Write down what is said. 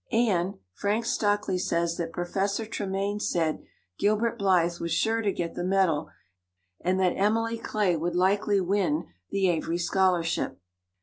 Anne, Frank Stockley says that Professor Tremaine said Gilbert Blythe was sure to get the medal and that Emily Clay would likely win the Avery scholarship."